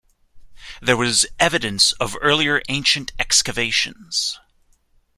There was evidence of earlier ancient excavations.